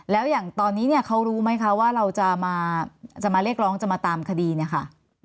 แล้วอย่างตอนนี้เนี่ยเขารู้ไหมคะว่าเราจะมาเรียกร้องจะมาตามคดีเนี่ยค่ะ